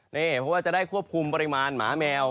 เพราะว่าจะได้ควบคุมปริมาณหมาแมว